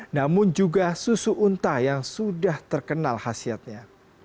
namun juga susu unta yang sudah terkenal khasiatnya